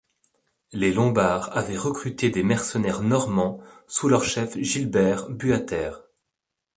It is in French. Les Lombards avaient recruté des mercenaires normands sous leur chef Gilbert Buatère.